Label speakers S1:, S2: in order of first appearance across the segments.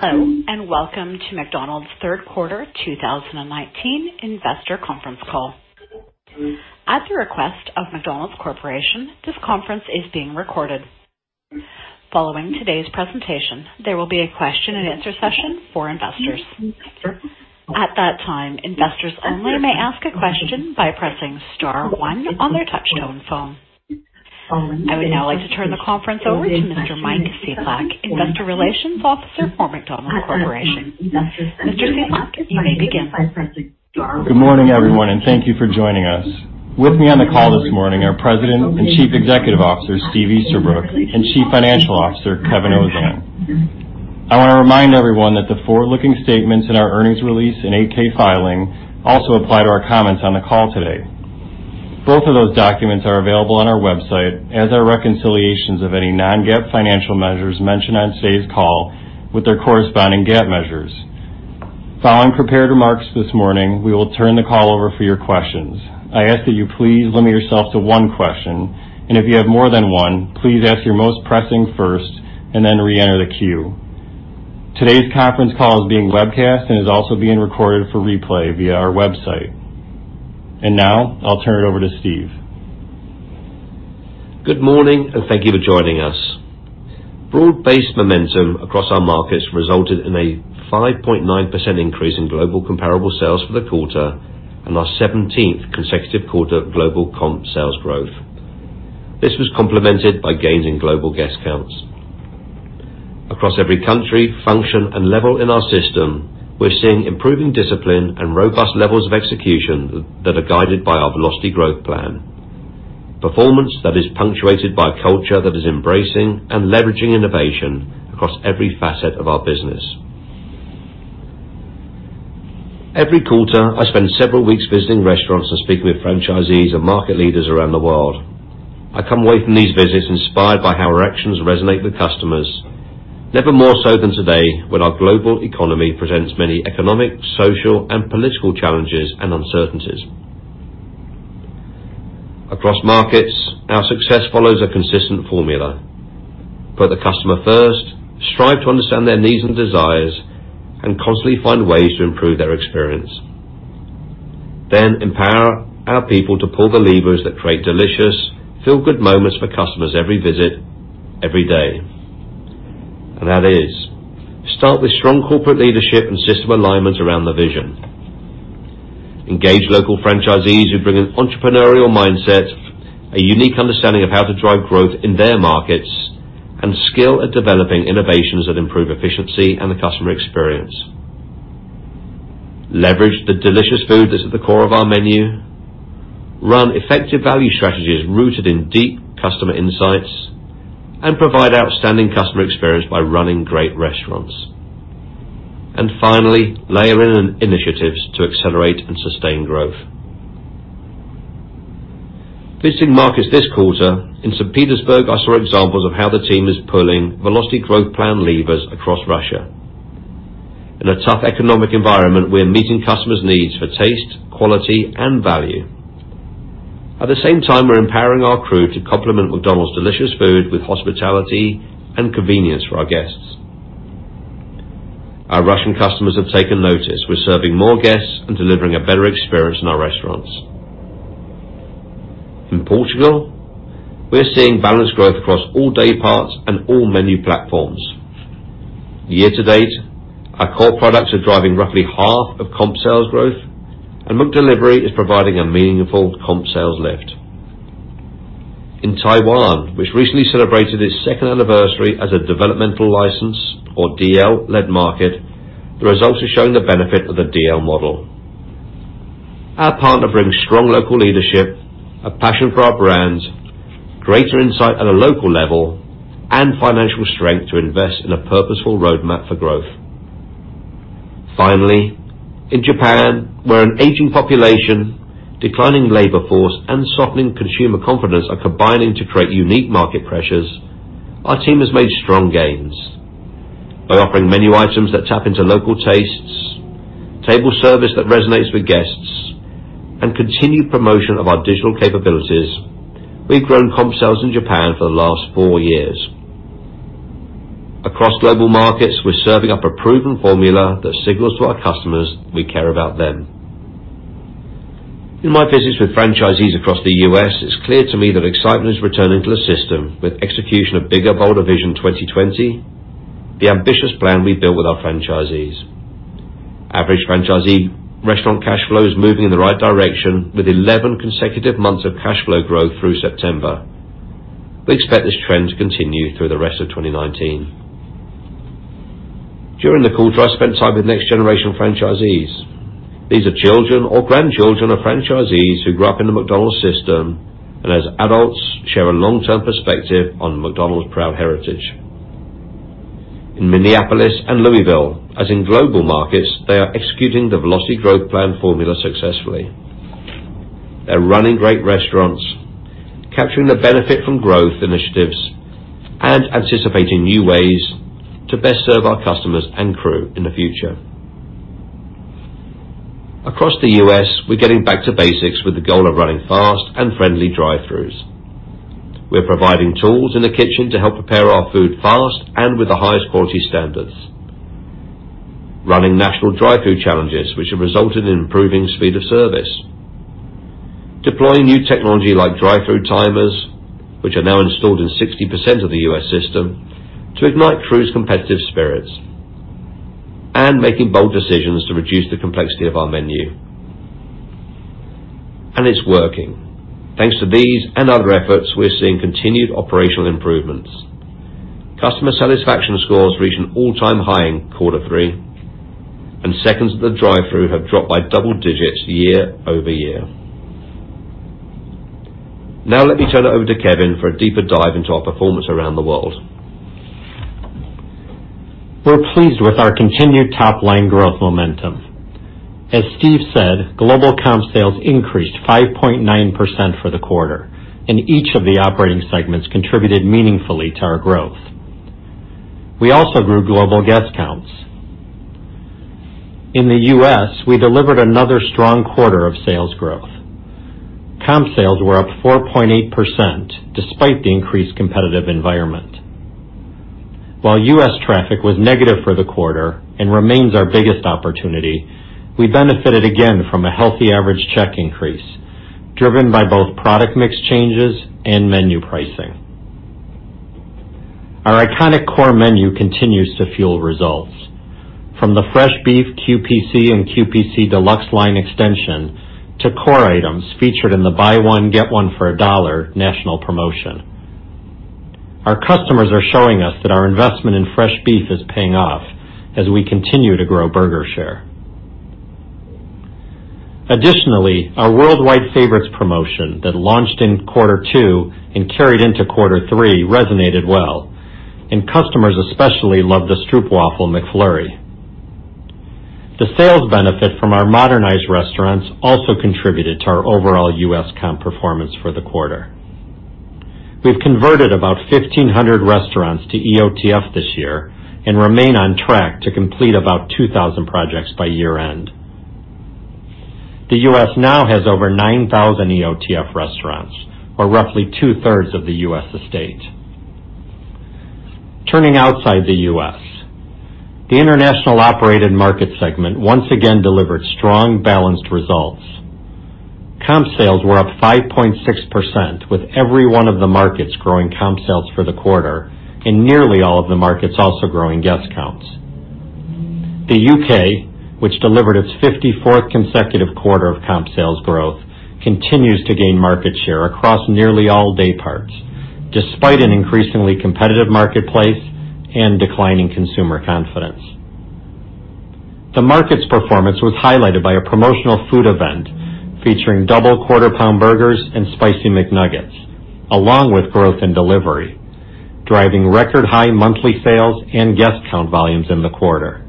S1: Hello, welcome to McDonald's third quarter 2019 investor conference call. At the request of McDonald's Corporation, this conference is being recorded. Following today's presentation, there will be a question and answer session for investors. At that time, investors only may ask a question by pressing star one on their touch-tone phone. I would now like to turn the conference over to Mr. Mike Cieplak, investor relations officer for McDonald's Corporation. Mr. Cieplak, you may begin.
S2: Good morning, everyone, and thank you for joining us. With me on the call this morning are President and Chief Executive Officer, Steve Easterbrook, and Chief Financial Officer, Kevin Ozan. I want to remind everyone that the forward-looking statements in our earnings release and 8-K filing also apply to our comments on the call today. Both of those documents are available on our website as are reconciliations of any non-GAAP financial measures mentioned on today's call with their corresponding GAAP measures. Following prepared remarks this morning, we will turn the call over for your questions. I ask that you please limit yourself to one question, and if you have more than one, please ask your most pressing first and then re-enter the queue. Today's conference call is being webcast and is also being recorded for replay via our website. Now I'll turn it over to Steve.
S3: Good morning, and thank you for joining us. Broad-based momentum across our markets resulted in a 5.9% increase in global comparable sales for the quarter and our 17th consecutive quarter of global comp sales growth. This was complemented by gains in global guest counts. Across every country, function, and level in our system, we're seeing improving discipline and robust levels of execution that are guided by our Velocity Growth Plan. Performance that is punctuated by a culture that is embracing and leveraging innovation across every facet of our business. Every quarter, I spend several weeks visiting restaurants and speaking with franchisees and market leaders around the world. I come away from these visits inspired by how our actions resonate with customers, never more so than today when our global economy presents many economic, social, and political challenges and uncertainties. Across markets, our success follows a consistent formula. Put the customer first, strive to understand their needs and desires, and constantly find ways to improve their experience. Empower our people to pull the levers that create delicious, feel-good moments for customers every visit, every day. That is, start with strong corporate leadership and system alignment around the vision. Engage local franchisees who bring an entrepreneurial mindset, a unique understanding of how to drive growth in their markets, and skill at developing innovations that improve efficiency and the customer experience. Leverage the delicious food that's at the core of our menu, run effective value strategies rooted in deep customer insights, and provide outstanding customer experience by running great restaurants. Finally, layer in initiatives to accelerate and sustain growth. Visiting markets this quarter, in St. Petersburg, I saw examples of how the team is pulling Velocity Growth Plan levers across Russia. In a tough economic environment, we're meeting customers' needs for taste, quality, and value. At the same time, we're empowering our crew to complement McDonald's delicious food with hospitality and convenience for our guests. Our Russian customers have taken notice. We're serving more guests and delivering a better experience in our restaurants. In Portugal, we're seeing balanced growth across all day parts and all menu platforms. Year to date, our core products are driving roughly half of comp sales growth, and McDelivery is providing a meaningful comp sales lift. In Taiwan, which recently celebrated its second anniversary as a developmental license or DL-led market, the results are showing the benefit of the DL model. Our partner brings strong local leadership, a passion for our brands, greater insight at a local level, and financial strength to invest in a purposeful roadmap for growth. In Japan, where an aging population, declining labor force, and softening consumer confidence are combining to create unique market pressures, our team has made strong gains. By offering menu items that tap into local tastes, table service that resonates with guests, and continued promotion of our digital capabilities, we've grown comp sales in Japan for the last four years. Across global markets, we're serving up a proven formula that signals to our customers we care about them. In my visits with franchisees across the U.S., it's clear to me that excitement is returning to the system with execution of Bigger Bolder Vision 2020, the ambitious plan we built with our franchisees. Average franchisee restaurant cash flow is moving in the right direction with 11 consecutive months of cash flow growth through September. We expect this trend to continue through the rest of 2019. During the quarter, I spent time with next-generation franchisees. These are children or grandchildren of franchisees who grew up in the McDonald's system and as adults, share a long-term perspective on McDonald's proud heritage. In Minneapolis and Louisville, as in global markets, they are executing the Velocity Growth Plan formula successfully. They're running great restaurants, capturing the benefit from growth initiatives, and anticipating new ways to best serve our customers and crew in the future. Across the U.S., we're getting back to basics with the goal of running fast and friendly drive-throughs. We're providing tools in the kitchen to help prepare our food fast and with the highest quality standards. Running national drive-thru challenges, which have resulted in improving speed of service. Deploying new technology like drive-thru timers, which are now installed in 60% of the U.S. system, to ignite crews' competitive spirits. Making bold decisions to reduce the complexity of our menu. It's working. Thanks to these and other efforts, we're seeing continued operational improvements. Customer satisfaction scores reached an all-time high in quarter three, and seconds at the drive-thru have dropped by double digits year-over-year. Now let me turn it over to Kevin for a deeper dive into our performance around the world.
S4: We're pleased with our continued top-line growth momentum. As Steve said, global comp sales increased 5.9% for the quarter, and each of the operating segments contributed meaningfully to our growth. We also grew global guest counts. In the U.S., we delivered another strong quarter of sales growth. Comp sales were up 4.8%, despite the increased competitive environment. While U.S. traffic was negative for the quarter and remains our biggest opportunity, we benefited again from a healthy average check increase driven by both product mix changes and menu pricing. Our iconic core menu continues to fuel results. From the fresh beef QPC and QPC Deluxe line extension to core items featured in the buy one, get one for a $1 national promotion. Our customers are showing us that our investment in fresh beef is paying off as we continue to grow burger share. Our Worldwide Favorites promotion that launched in quarter two and carried into quarter three resonated well, and customers especially loved the Stroopwafel McFlurry. The sales benefit from our modernized restaurants also contributed to our overall U.S. comp performance for the quarter. We've converted about 1,500 restaurants to EOTF this year and remain on track to complete about 2,000 projects by year-end. The U.S. now has over 9,000 EOTF restaurants or roughly two-thirds of the U.S. estate. Turning outside the U.S., the International Operated Market segment once again delivered strong, balanced results. Comp sales were up 5.6% with every one of the markets growing comp sales for the quarter and nearly all of the markets also growing guest counts. The U.K., which delivered its 54th consecutive quarter of comp sales growth, continues to gain market share across nearly all day parts, despite an increasingly competitive marketplace and declining consumer confidence. The market's performance was highlighted by a promotional food event featuring double Quarter Pounder burgers and spicy McNuggets, along with growth in delivery, driving record high monthly sales and guest count volumes in the quarter.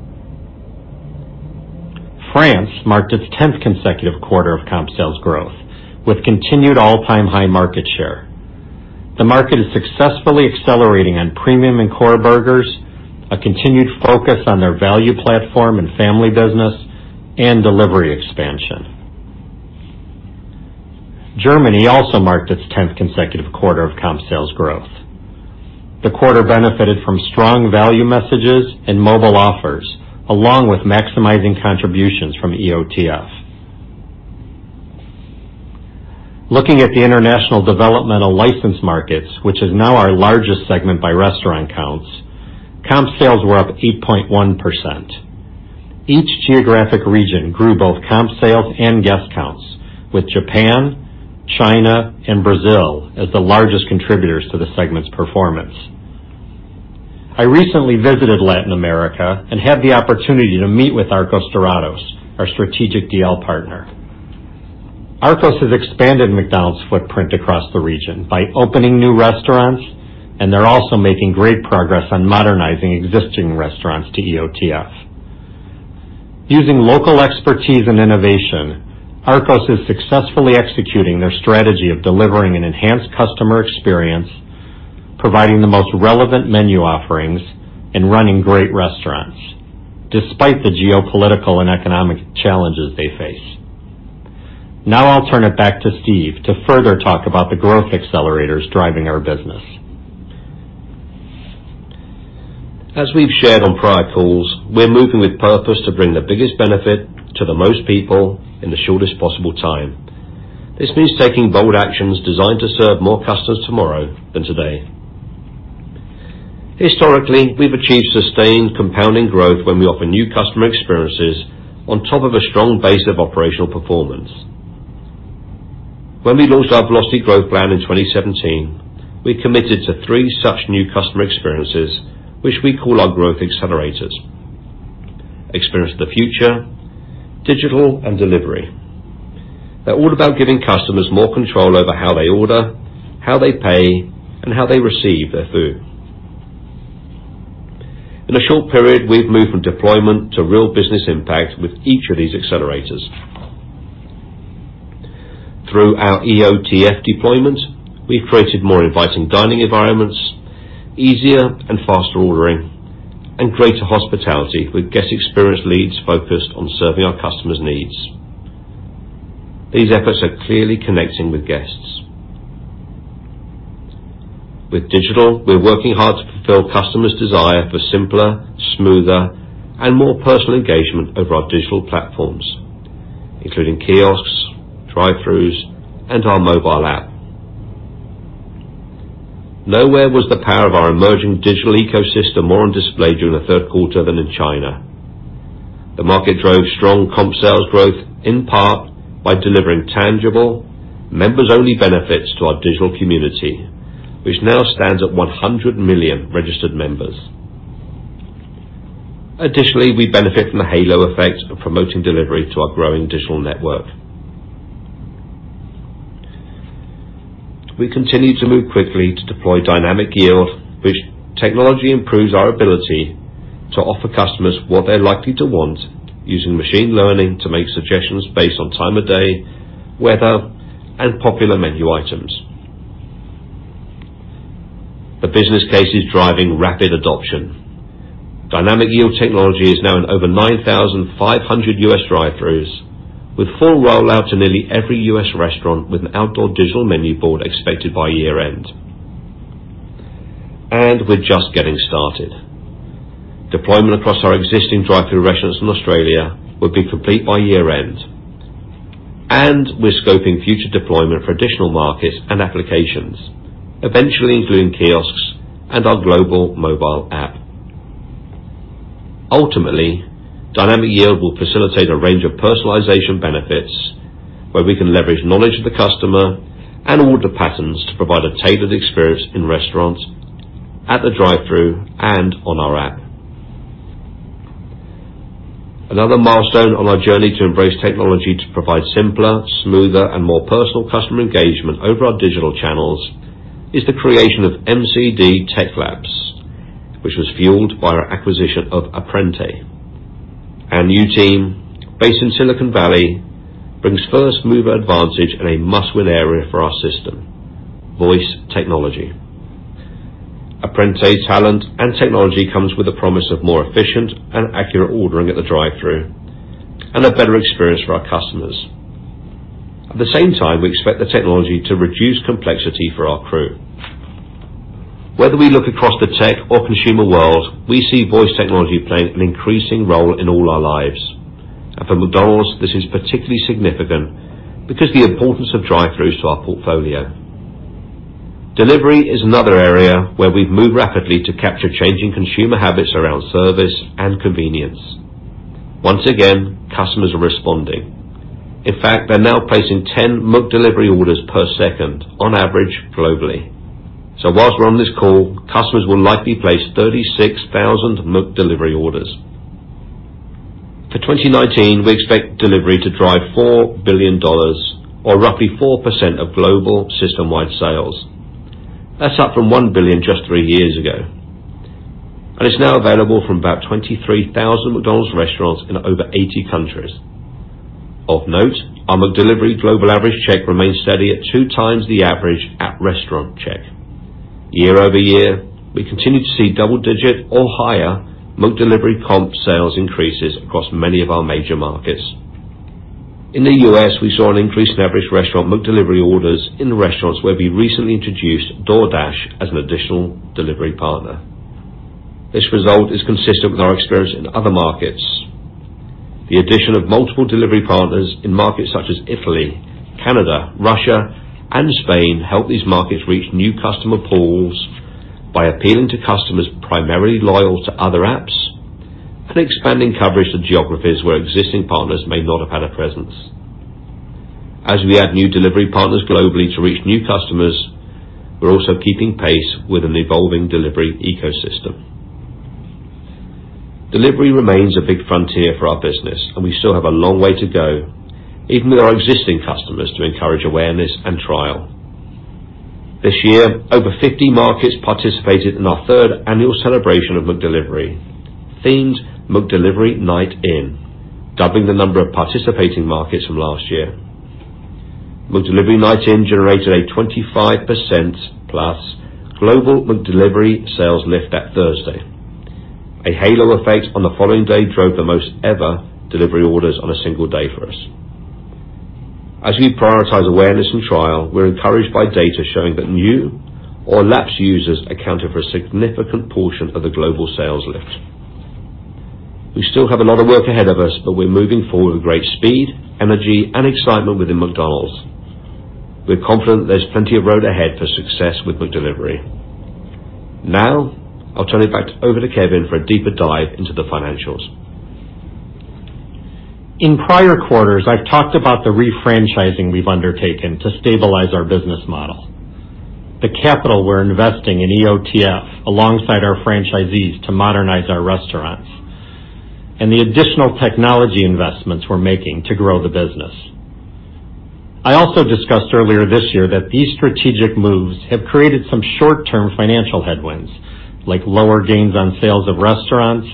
S4: France marked its 10th consecutive quarter of comp sales growth, with continued all-time high market share. The market is successfully accelerating on premium and core burgers, a continued focus on their value platform and family business, and delivery expansion. Germany also marked its 10th consecutive quarter of comp sales growth. The quarter benefited from strong value messages and mobile offers, along with maximizing contributions from EOTF. Looking at the international developmental license markets, which is now our largest segment by restaurant counts, comp sales were up 8.1%. Each geographic region grew both comp sales and guest counts with Japan, China, and Brazil as the largest contributors to the segment's performance. I recently visited Latin America and had the opportunity to meet with Arcos Dorados, our strategic DL partner. Arcos has expanded McDonald's footprint across the region by opening new restaurants and they're also making great progress on modernizing existing restaurants to EOTF. Using local expertise and innovation, Arcos is successfully executing their strategy of delivering an enhanced customer experience, providing the most relevant menu offerings, and running great restaurants despite the geopolitical and economic challenges they face. I'll turn it back to Steve to further talk about the growth accelerators driving our business.
S3: As we've shared on prior calls, we're moving with purpose to bring the biggest benefit to the most people in the shortest possible time. This means taking bold actions designed to serve more customers tomorrow than today. Historically, we've achieved sustained compounding growth when we offer new customer experiences on top of a strong base of operational performance. When we launched our Velocity Growth Plan in 2017, we committed to three such new customer experiences, which we call our growth accelerators. Experience of the Future, Digital, and Delivery. They're all about giving customers more control over how they order, how they pay, and how they receive their food. In a short period, we've moved from deployment to real business impact with each of these accelerators. Through our EOTF deployment, we've created more inviting dining environments, easier and faster ordering, and greater hospitality, with guest experience leads focused on serving our customers' needs. These efforts are clearly connecting with guests. With digital, we're working hard to fulfill customers' desire for simpler, smoother, and more personal engagement over our digital platforms, including kiosks, drive-throughs, and our mobile app. Nowhere was the power of our emerging digital ecosystem more on display during the third quarter than in China. The market drove strong comp sales growth, in part by delivering tangible members-only benefits to our digital community, which now stands at 100 million registered members. Additionally, we benefit from the halo effect of promoting delivery to our growing digital network. We continue to move quickly to deploy Dynamic Yield, which technology improves our ability to offer customers what they're likely to want, using machine learning to make suggestions based on time of day, weather, and popular menu items. The business case is driving rapid adoption. Dynamic Yield technology is now in over 9,500 U.S. drive-throughs, with full rollout to nearly every U.S. restaurant, with an outdoor digital menu board expected by year-end. We're just getting started. Deployment across our existing drive-through restaurants in Australia will be complete by year-end. We're scoping future deployment for additional markets and applications, eventually including kiosks and our global mobile app. Ultimately, Dynamic Yield will facilitate a range of personalization benefits, where we can leverage knowledge of the customer and order patterns to provide a tailored experience in restaurants, at the drive-through, and on our app. Another milestone on our journey to embrace technology to provide simpler, smoother, and more personal customer engagement over our digital channels is the creation of McD Tech Labs, which was fueled by our acquisition of Apprente. Our new team, based in Silicon Valley, brings first-mover advantage in a must-win area for our system, voice technology. Apprente's talent and technology comes with a promise of more efficient and accurate ordering at the drive-through, and a better experience for our customers. At the same time, we expect the technology to reduce complexity for our crew. Whether we look across the tech or consumer world, we see voice technology playing an increasing role in all our lives. For McDonald's, this is particularly significant because the importance of drive-throughs to our portfolio. Delivery is another area where we've moved rapidly to capture changing consumer habits around service and convenience. Once again, customers are responding. In fact, they're now placing 10 McDelivery orders per second on average globally. While we're on this call, customers will likely place 36,000 McDelivery orders. For 2019, we expect delivery to drive $4 billion, or roughly 4% of global systemwide sales. That's up from $1 billion just three years ago, and it's now available from about 23,000 McDonald's restaurants in over 80 countries. Of note, our McDelivery global average check remains steady at two times the average at-restaurant check. Year-over-year, we continue to see double-digit or higher McDelivery comp sales increases across many of our major markets. In the U.S., we saw an increase in average restaurant McDelivery orders in restaurants where we recently introduced DoorDash as an additional delivery partner. This result is consistent with our experience in other markets. The addition of multiple delivery partners in markets such as Italy, Canada, Russia, and Spain help these markets reach new customer pools by appealing to customers primarily loyal to other apps and expanding coverage to geographies where existing partners may not have had a presence. As we add new delivery partners globally to reach new customers, we're also keeping pace with an evolving delivery ecosystem. Delivery remains a big frontier for our business, and we still have a long way to go, even with our existing customers, to encourage awareness and trial. This year, over 50 markets participated in our third annual celebration of McDelivery, themed McDelivery Night In, doubling the number of participating markets from last year. McDelivery Night In generated a 25%+ global McDelivery sales lift that Thursday. A halo effect on the following day drove the most ever delivery orders on a single day for us. As we prioritize awareness and trial, we're encouraged by data showing that new or lapsed users accounted for a significant portion of the global sales lift. We still have a lot of work ahead of us, but we're moving forward with great speed, energy, and excitement within McDonald's. We're confident there's plenty of road ahead for success with McDelivery. Now, I'll turn it back over to Kevin for a deeper dive into the financials.
S4: In prior quarters, I've talked about the refranchising we've undertaken to stabilize our business model, the capital we're investing in EOTF alongside our franchisees to modernize our restaurants, and the additional technology investments we're making to grow the business. I also discussed earlier this year that these strategic moves have created some short-term financial headwinds, like lower gains on sales of restaurants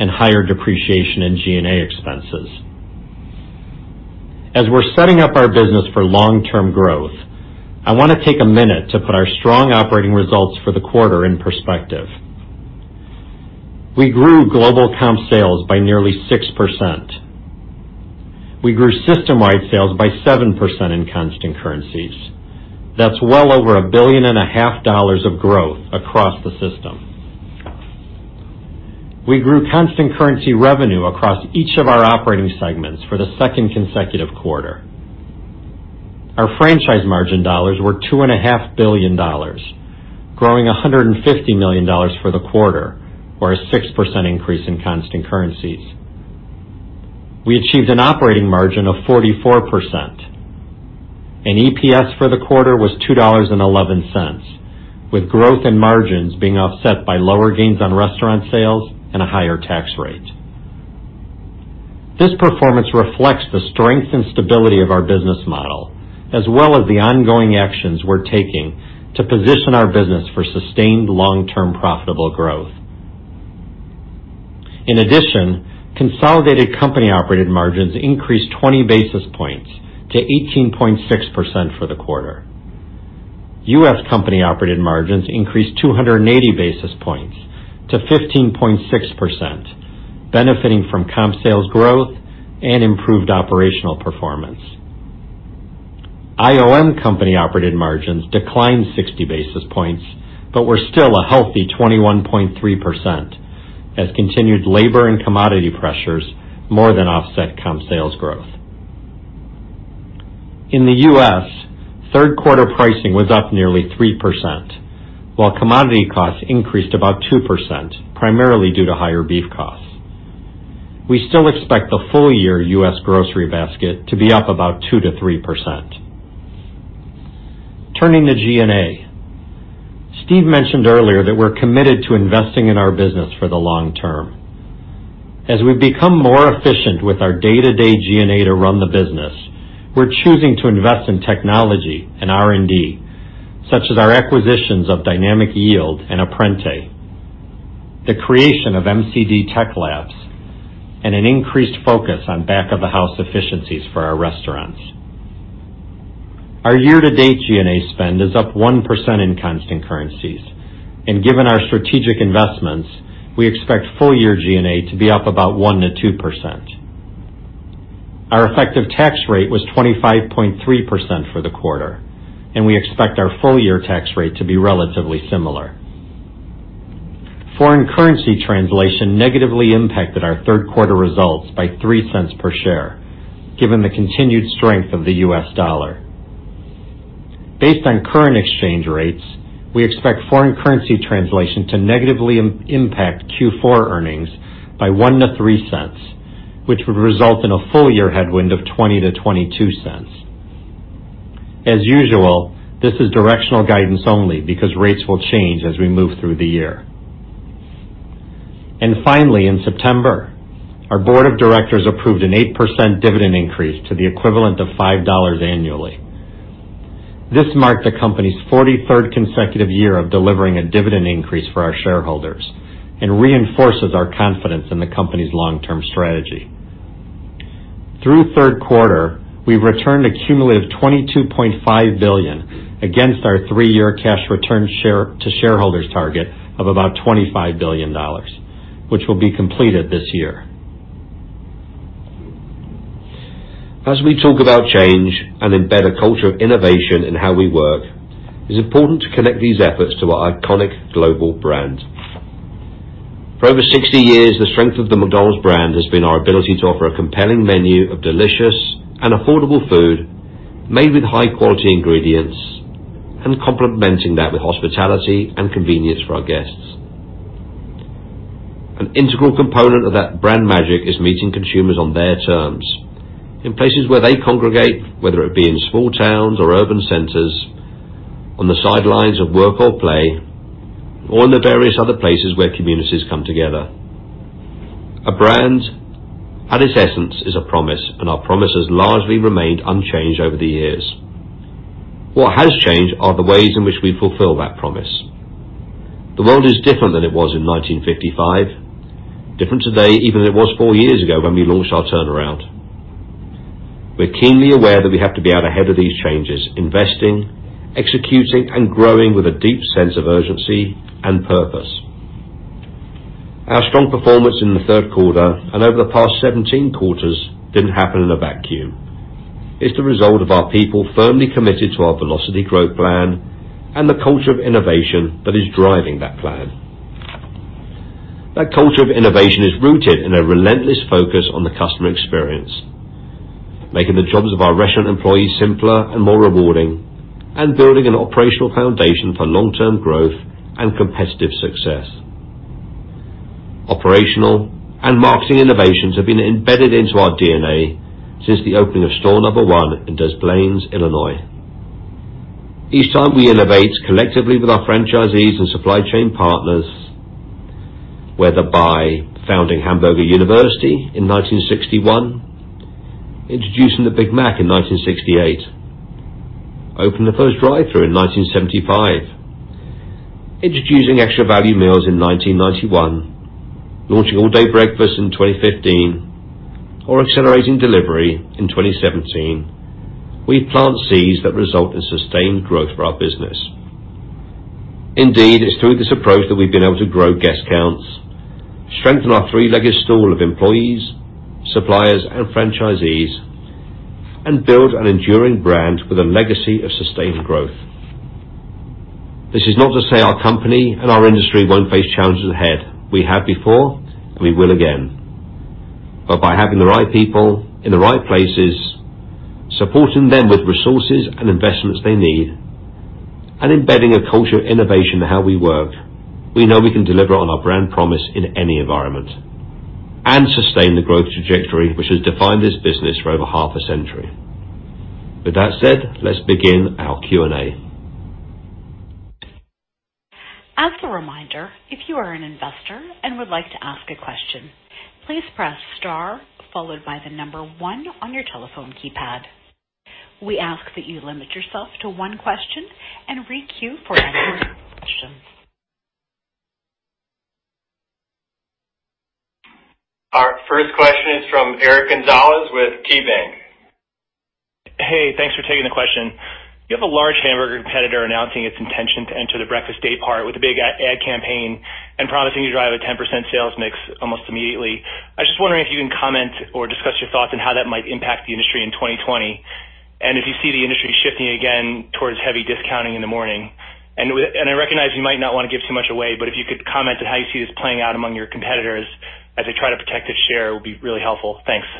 S4: and higher depreciation in G&A expenses. As we're setting up our business for long-term growth, I want to take a minute to put our strong operating results for the quarter in perspective. We grew global comp sales by nearly 6%. We grew system-wide sales by 7% in constant currencies. That's well over one billion and a half dollars of growth across the system. We grew constant currency revenue across each of our operating segments for the second consecutive quarter. Our franchise margin dollars were $2.5 billion, growing $150 million for the quarter, or a 6% increase in constant currencies. We achieved an operating margin of 44%, and EPS for the quarter was $2.11, with growth in margins being offset by lower gains on restaurant sales and a higher tax rate. This performance reflects the strength and stability of our business model, as well as the ongoing actions we're taking to position our business for sustained long-term profitable growth. In addition, consolidated company-operated margins increased 20 basis points to 18.6% for the quarter. U.S. company-operated margins increased 280 basis points to 15.6%, benefiting from comp sales growth and improved operational performance. IOM company-operated margins declined 60 basis points, but were still a healthy 21.3%, as continued labor and commodity pressures more than offset comp sales growth. In the U.S., third quarter pricing was up nearly 3%, while commodity costs increased about 2%, primarily due to higher beef costs. We still expect the full year U.S. grocery basket to be up about 2%-3%. Turning to G&A. Steve mentioned earlier that we're committed to investing in our business for the long term. As we become more efficient with our day-to-day G&A to run the business, we're choosing to invest in technology and R&D, such as our acquisitions of Dynamic Yield and Apprente, the creation of McD Tech Labs, and an increased focus on back-of-the-house efficiencies for our restaurants. Our year-to-date G&A spend is up 1% in constant currencies, given our strategic investments, we expect full year G&A to be up about 1%-2%. Our effective tax rate was 25.3% for the quarter, we expect our full year tax rate to be relatively similar. Foreign currency translation negatively impacted our third quarter results by $0.03 per share, given the continued strength of the US dollar. Based on current exchange rates, we expect foreign currency translation to negatively impact Q4 earnings by $0.01-$0.03, which would result in a full-year headwind of $0.20-$0.22. As usual, this is directional guidance only because rates will change as we move through the year. Finally, in September, our board of directors approved an 8% dividend increase to the equivalent of $5 annually. This marked the company's 43rd consecutive year of delivering a dividend increase for our shareholders and reinforces our confidence in the company's long-term strategy. Through third quarter, we've returned a cumulative $22.5 billion against our three-year cash return to shareholders target of about $25 billion, which will be completed this year.
S3: As we talk about change and embed a culture of innovation in how we work, it's important to connect these efforts to our iconic global brand. For over 60 years, the strength of the McDonald's brand has been our ability to offer a compelling menu of delicious and affordable food made with high-quality ingredients and complementing that with hospitality and convenience for our guests. An integral component of that brand magic is meeting consumers on their terms in places where they congregate, whether it be in small towns or urban centers, on the sidelines of work or play, or in the various other places where communities come together. A brand, at its essence, is a promise, and our promise has largely remained unchanged over the years. What has changed are the ways in which we fulfill that promise. The world is different than it was in 1955, different today even than it was four years ago when we launched our turnaround. We're keenly aware that we have to be out ahead of these changes, investing, executing, and growing with a deep sense of urgency and purpose. Our strong performance in the third quarter and over the past 17 quarters didn't happen in a vacuum. It's the result of our people firmly committed to our Velocity Growth Plan and the culture of innovation that is driving that plan. That culture of innovation is rooted in a relentless focus on the customer experience, making the jobs of our restaurant employees simpler and more rewarding, and building an operational foundation for long-term growth and competitive success. Operational and marketing innovations have been embedded into our DNA since the opening of store number 1 in Des Plaines, Illinois. Each time we innovate collectively with our franchisees and supply chain partners, whether by founding Hamburger University in 1961, introducing the Big Mac in 1968 Opened the first drive-through in 1975, introducing Extra Value Meals in 1991, launching All-Day Breakfast in 2015, accelerating delivery in 2017. We plant seeds that result in sustained growth for our business. Indeed, it's through this approach that we've been able to grow guest counts, strengthen our three-legged stool of employees, suppliers, and franchisees, and build an enduring brand with a legacy of sustained growth. This is not to say our company and our industry won't face challenges ahead. We have before, and we will again. By having the right people in the right places, supporting them with resources and investments they need, and embedding a culture of innovation in how we work, we know we can deliver on our brand promise in any environment and sustain the growth trajectory which has defined this business for over half a century. With that said, let's begin our Q&A.
S1: As a reminder, if you are an investor and would like to ask a question, please press star followed by the number 1 on your telephone keypad. We ask that you limit yourself to one question and re-queue for any further questions.
S2: Our first question is from Eric Gonzalez with KeyBanc.
S5: Hey, thanks for taking the question. You have a large hamburger competitor announcing its intention to enter the breakfast day part with a big ad campaign and promising to drive a 10% sales mix almost immediately. I was just wondering if you can comment or discuss your thoughts on how that might impact the industry in 2020, and if you see the industry shifting again towards heavy discounting in the morning. I recognize you might not want to give too much away, but if you could comment on how you see this playing out among your competitors as they try to protect their share, it would be really helpful. Thanks.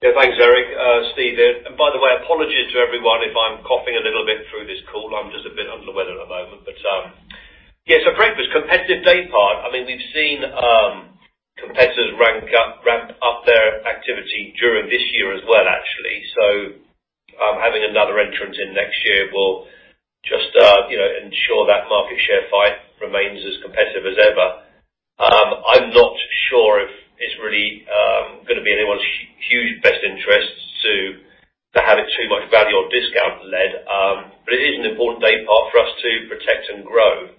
S3: Yeah. Thanks, Eric. Steve here. By the way, apologies to everyone if I'm coughing a little bit through this call. I'm just a bit under the weather at the moment. Yeah, breakfast, competitive day part, we've seen competitors ramp up their activity during this year as well, actually. Having another entrant in next year will just ensure that market share fight remains as competitive as ever. I'm not sure if it's really going to be in anyone's huge best interests to have it too much value or discount-led, but it is an important day part for us to protect and grow.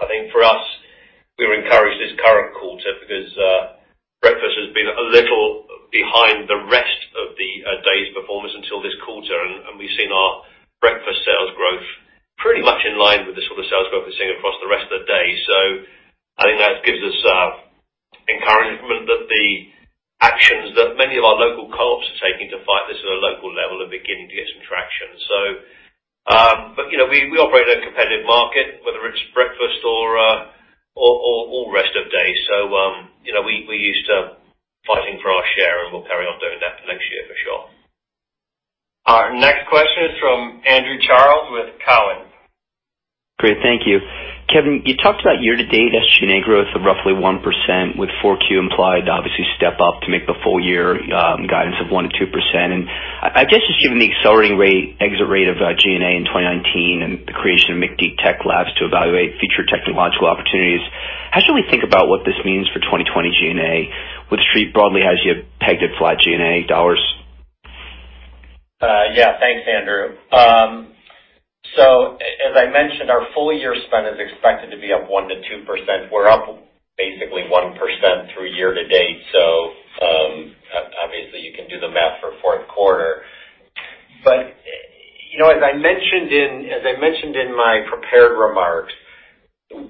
S3: I think for us, we were encouraged this current quarter because breakfast has been a little behind the rest of the day's performance until this quarter, and we've seen our breakfast sales growth pretty much in line with the sort of sales growth we're seeing across the rest of the day. I think that gives us encouragement that the actions that many of our local co-ops are taking to fight this at a local level are beginning to get some traction. We operate in a competitive market, whether it's breakfast or all rest of day. We're used to fighting for our share, and we'll carry on doing that next year for sure.
S2: Our next question is from Andrew Charles with Cowen.
S6: Great. Thank you. Kevin, you talked about year-to-date G&A growth of roughly 1% with 4Q implied, obviously, step up to make the full year guidance of 1%-2%. I guess just given the accelerating exit rate of G&A in 2019 and the creation of McD Tech Labs to evaluate future technological opportunities, how should we think about what this means for 2020 G&A? Would Street broadly have you pegged at flat G&A dollars?
S4: Yeah. Thanks, Andrew. As I mentioned, our full year spend is expected to be up 1%-2%. We're up basically 1% through year to date, so obviously you can do the math for fourth quarter. As I mentioned in my prepared remarks,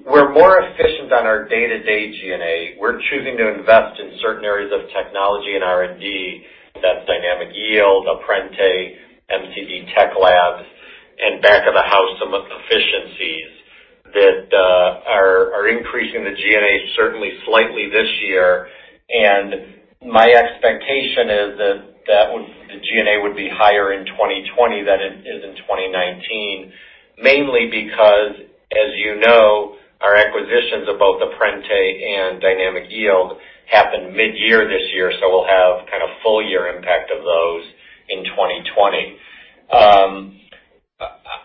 S4: we're more efficient on our day-to-day G&A. We're choosing to invest in certain areas of technology and R&D, that Dynamic Yield, Apprente, McD Tech Labs, and back of the house, some efficiencies that are increasing the G&A certainly slightly this year. My expectation is that the G&A would be higher in 2020 than it is in 2019, mainly because, as you know, our acquisitions of both Apprente and Dynamic Yield happened mid-year this year, so we'll have kind of full year impact of those in 2020.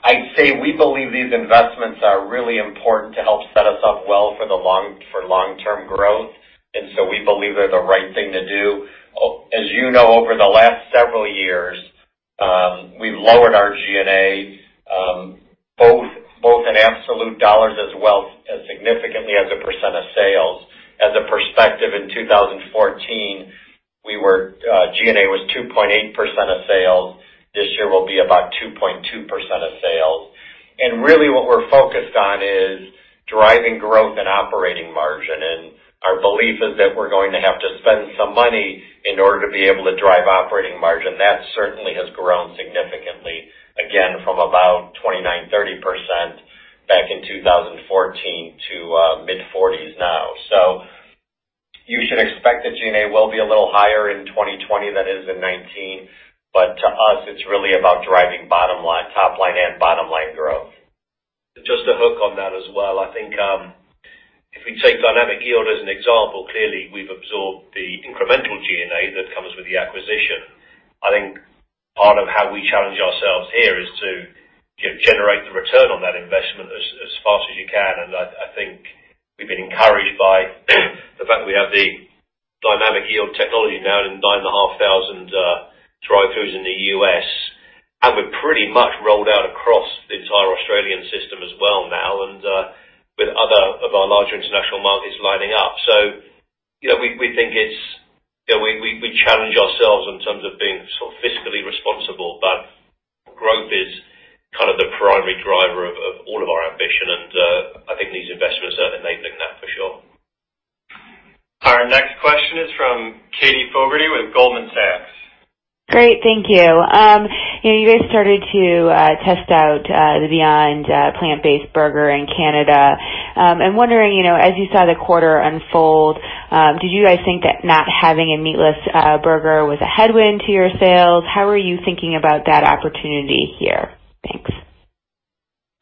S4: I'd say we believe these investments are really important to help set us up well for long-term growth, and so we believe they're the right thing to do. As you know, over the last several years, we've lowered our G&A, both in absolute dollars as well as significantly as a % of sales. As a perspective, in 2014, G&A was 2.8% of sales. This year will be about 2.2% of sales. Really what we're focused on is driving growth and operating margin. Our belief is that we're going to have to spend some money in order to be able to drive operating margin. That certainly has grown significantly, again, from about 29%-30% back in 2014 to mid-40s% now. You should expect that G&A will be a little higher in 2020 than it is in 2019. To us, it's really about driving top line and bottom line growth.
S3: Just to hook on that as well, I think if we take Dynamic Yield as an example, clearly we've absorbed the incremental G&A that comes with the acquisition. I think part of how we challenge ourselves here is to generate the return on that investment as fast as you can, and I think we've been encouraged. Have the Dynamic Yield technology now in 9,500 drive-throughs in the U.S., and we're pretty much rolled out across the entire Australian system as well now, and with other of our larger international markets lining up. We challenge ourselves in terms of being fiscally responsible, but growth is the primary driver of all of our ambition, and I think these investments are enabling that for sure.
S2: Our next question is from Katherine Fogertey with Goldman Sachs.
S7: Great. Thank you. You guys started to test out the Beyond plant-based burger in Canada. I'm wondering, as you saw the quarter unfold, did you guys think that not having a meatless burger was a headwind to your sales? How are you thinking about that opportunity here? Thanks.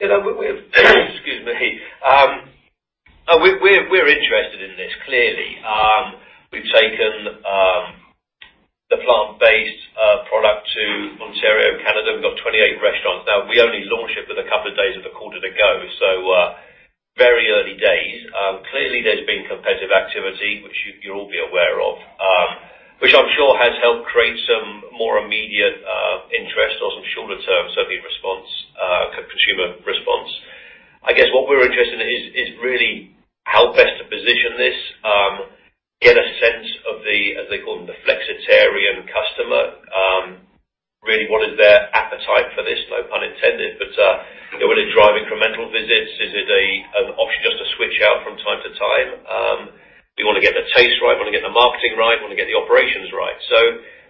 S3: Excuse me. We're interested in this, clearly. We've taken the plant-based product to Ontario, Canada. We've got 28 restaurants now. We only launched it with a couple of days of the quarter to go, so very early days. Clearly, there's been competitive activity, which you'll all be aware of, which I'm sure has helped create some more immediate interest or some shorter term consumer response. I guess what we're interested in is really how best to position this, get a sense of the, as they call them, the flexitarian customer. Really, what is their appetite for this? No pun intended, but will it drive incremental visits? Is it an option just to switch out from time to time? We want to get the taste right, want to get the marketing right, want to get the operations right.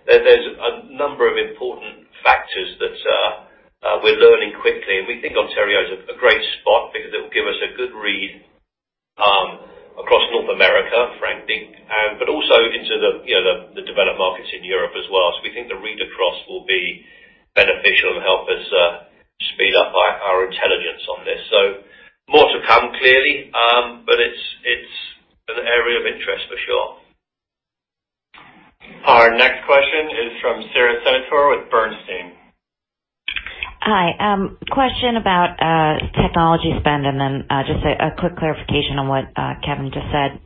S3: There's a number of important factors that we're learning quickly, and we think Ontario is a great spot because it will give us a good read across North America, frankly, but also into the developed markets in Europe as well. We think the read across will be beneficial and help us speed up our intelligence on this. More to come, clearly, but it's an area of interest for sure.
S2: Our next question is from Sara Senatore with Bernstein.
S8: Hi. Question about technology spend, then just a quick clarification on what Kevin just said.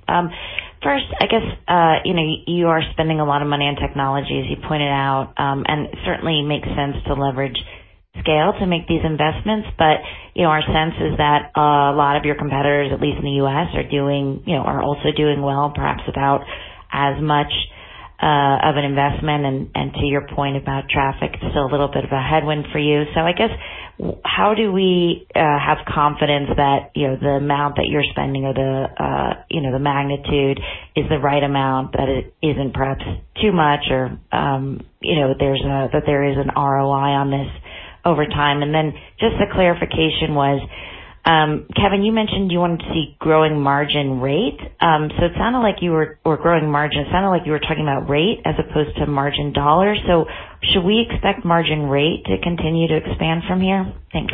S8: First, I guess you are spending a lot of money on technology, as you pointed out, it certainly makes sense to leverage scale to make these investments. Our sense is that a lot of your competitors, at least in the U.S., are also doing well, perhaps without as much of an investment. To your point about traffic, it's still a little bit of a headwind for you. I guess how do we have confidence that the amount that you're spending or the magnitude is the right amount, that it isn't perhaps too much or that there is an ROI on this over time? Then just a clarification was, Kevin, you mentioned you wanted to see growing margin rate. It sounded like you were growing margin. It sounded like you were talking about rate as opposed to margin dollars. Should we expect margin rate to continue to expand from here? Thanks.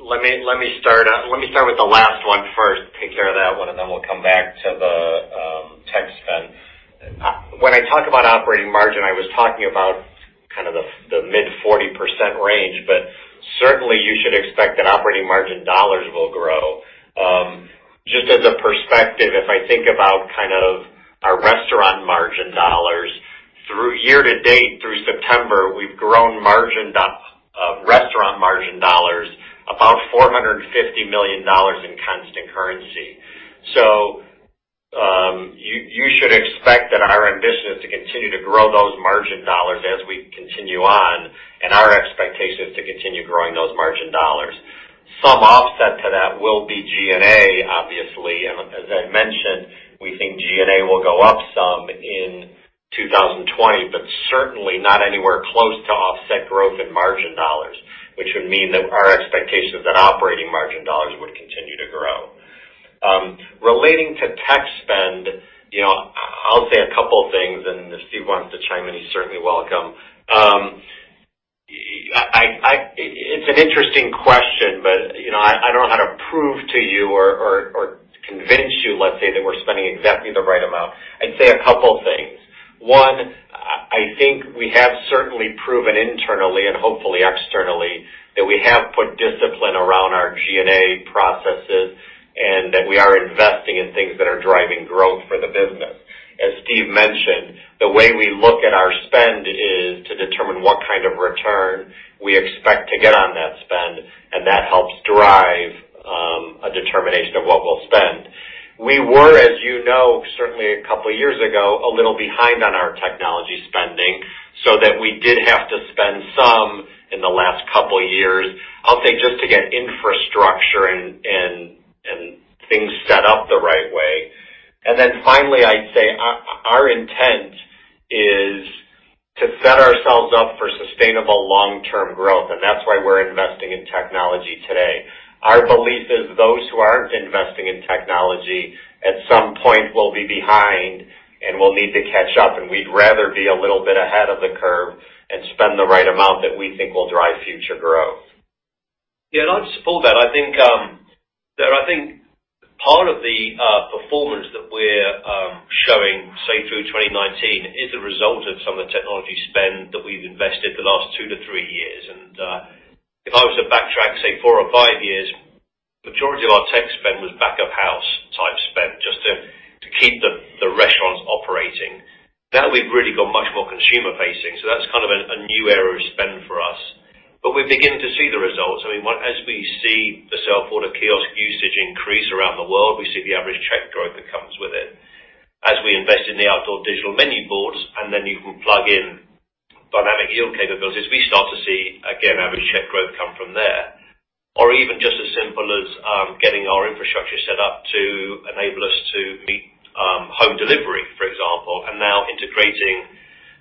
S4: Let me start with the last one first, take care of that one, and then we'll come back to the tech spend. When I talk about operating margin, I was talking about the mid 40% range, but certainly you should expect that operating margin dollars will grow. Just as a perspective, if I think about our restaurant margin dollars, through year to date through September, we've grown restaurant margin dollars about $450 million in constant currency. You should expect that our ambition is to continue to grow those margin dollars as we continue on, and our expectation is to continue growing those margin dollars. Some offset to that will be G&A, obviously, as I mentioned, we think G&A will go up some in 2020, but certainly not anywhere close to offset growth in margin dollars, which would mean that our expectation is that operating margin dollars would continue to grow. Relating to tech spend, I'll say a couple of things, and if Steve wants to chime in, he's certainly welcome. It's an interesting question, but I don't know how to prove to you or convince you, let's say, that we're spending exactly the right amount. I'd say a couple things. One, I think we have certainly proven internally and hopefully externally that we have put discipline around our G&A processes and that we are investing in things that are driving growth for the business. As Steve mentioned, the way we look at our spend is to determine what kind of return we expect to get on that spend, and that helps drive a determination of what we'll spend. We were, as you know, certainly a couple of years ago, a little behind on our technology spending, so that we did have to spend some in the last couple of years, I'll say just to get infrastructure and things set up the right way. Finally, I'd say our intent is to set ourselves up for sustainable long-term growth, and that's why we're investing in technology today. Our belief is those who aren't investing in technology at some point will be behind and will need to catch up, and we'd rather be a little bit ahead of the curve and spend the right amount that we think will drive future growth.
S3: Yeah, I'll just add to that. I think part of the performance that. Showing, say, through 2019 is a result of some of the technology spend that we've invested the last two to three years. If I was to backtrack, say, four or five years, majority of our tech spend was back-of-house type spend just to keep the restaurants operating. Now we've really got much more consumer facing, that's kind of a new era of spend for us. We're beginning to see the results. As we see the self-order kiosk usage increase around the world, we see the average check growth that comes with it. As we invest in the outdoor digital menu boards, then you can plug in Dynamic Yield capabilities, we start to see, again, average check growth come from there. Even just as simple as getting our infrastructure set up to enable us to meet home delivery, for example, and now integrating